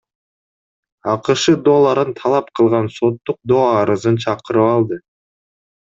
АКШ долларын талап кылган соттук доо арызын чакырып алды.